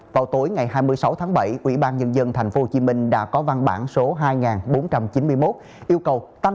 vào tối ngày hai mươi sáu tháng bảy ủy ban nhân dân thành phố hồ chí minh đã có văn bản số hai nghìn bốn trăm chín mươi một yêu cầu tăng